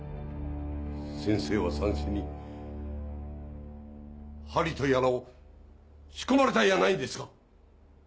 先生はさんしに「針」とやらを仕込まれたんやないんですか？